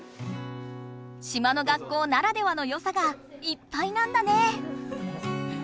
島の学校ならではのよさがいっぱいなんだね！